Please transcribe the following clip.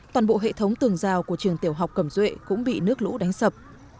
toàn bộ hệ thống tường rào của trường tiểu học cầm duệ cũng bị nước lũ đánh sập